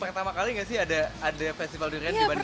pertama kali nggak sih ada festival durian di bandara